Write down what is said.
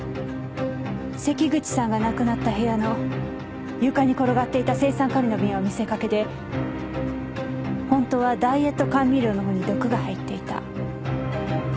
関口さんが亡くなった部屋の床に転がっていた青酸カリの瓶は見せかけで本当はダイエット甘味料のほうに毒が入っていた。